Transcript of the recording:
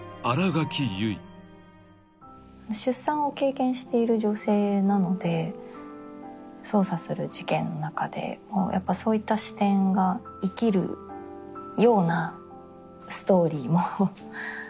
出産を経験している女性なので捜査する事件の中でもそういった視点が生きるようなストーリーもあるので。